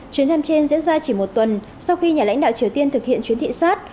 chuyến thăm trên diễn ra chỉ một tuần sau khi nhà lãnh đạo triều tiên thực hiện chuyến thị sát